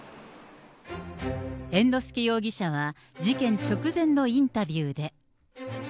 猿之助容疑者は事件直前のインタビューで。